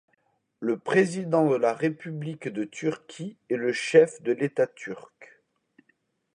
Le président de la République de Turquie est le chef de l’État turc.